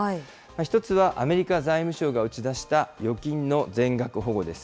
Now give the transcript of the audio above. １つはアメリカ財務省が打ち出した預金の全額保護です。